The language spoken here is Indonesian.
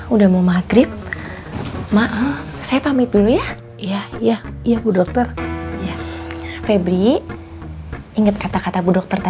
udah mau maghrib maaf saya pamit dulu ya iya bu dokter ya febri inget kata kata bu dokter